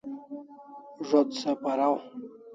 Zo't se paraw